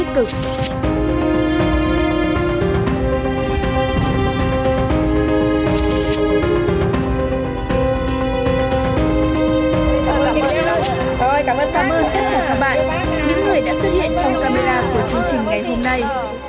vâng cảm ơn tất cả các bạn những người đã xuất hiện trong camera của chương trình ngày hôm nay